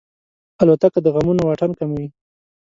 الوتکه د غمونو واټن کموي.